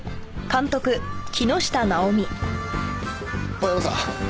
大山さん。